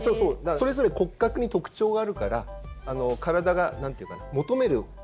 それぞれ骨格に特徴があるから面白い！